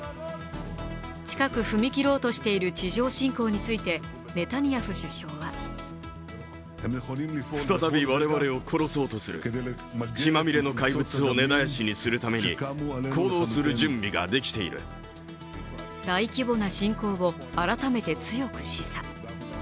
近く踏み切ろうとしている地上侵攻についてネタニヤフ首相は大規模な侵攻を改めて強く示唆。